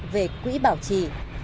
về quỹ bảo trì